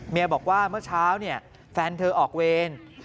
บอกว่าเมื่อเช้าเนี่ยแฟนเธอออกเวร